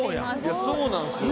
そうなんすよ。